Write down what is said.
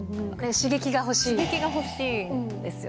刺激が欲しいんですよ。